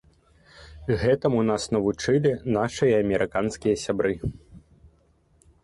Гэтаму нас навучылі нашыя амерыканскія сябры.